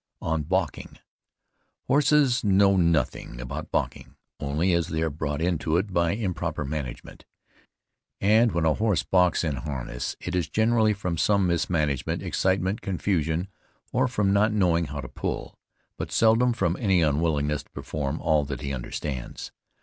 ON BALKING. Horses know nothing about balking, only as they are brought into it by improper management, and when a horse balks in harness it is generally from some mismanagement, excitement, confusion, or from not knowing how to pull, but seldom from any unwillingness to perform all that he understands.